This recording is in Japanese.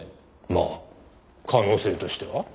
まあ可能性としては。